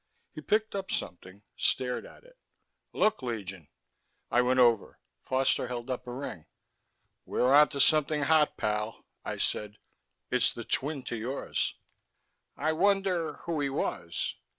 He picked up something, stared at it. "Look, Legion." I went over. Foster held up a ring. "We're onto something hot, pal," I said. "It's the twin to yours." "I wonder ... who he was."